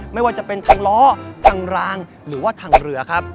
ไม่ว่าจะเป็นทางล้อทางรางหรือว่าทางเรือครับ